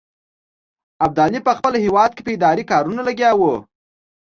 ابدالي په خپل هیواد کې په اداري کارونو لګیا وو.